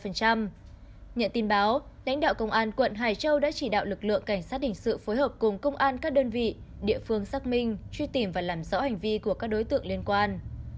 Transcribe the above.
nhận tin báo lãnh đạo công an quận hải châu đã chỉ đạo lực lượng cảnh sát hình sự phối hợp cùng công an các đơn vị địa phương xác minh truy tìm và làm rõ hành vi của các đối tượng liên quan